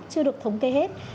chưa được thống kê hết